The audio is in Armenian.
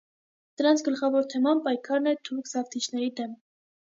Դրանց գլխավոր թեման պայքարն է թուրք զավթիչների դեմ։